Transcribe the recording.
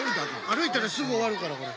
歩いたらすぐ終わるからこれ。